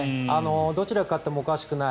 どっちが勝ってもおかしくない。